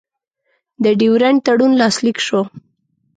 د ډیورنډ تړون لاسلیک شو.